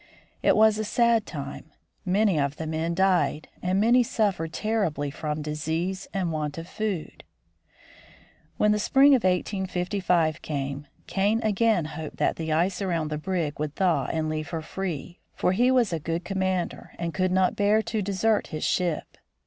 It was a sad time : many of the men died and many suffered terribly from disease and want of food. When the spring of 1855 came, Kane again hoped that the ice around the brig would thaw and leave her free, for he was a good commander and could not bear to desert his ship.